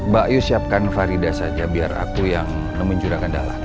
pak yu siapkan farida saja biar aku yang nemuin jurah gendalan